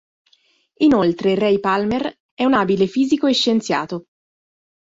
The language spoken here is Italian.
Inoltre Ray Palmer è un abile fisico e scienziato.